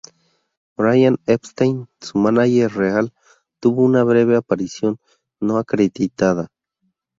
Brian Epstein, su mánager real, tuvo una breve aparición no acreditada.